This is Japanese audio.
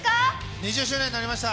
２０周年になりました。